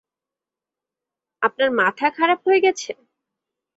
আপনার মাথা খারাপ হয়ে গেছে?